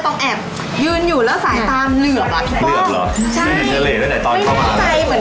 ที่คุณอ๋อบอกว่าช่องร่าง